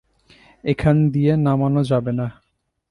এখান দিয়ে নামানো যাবে না।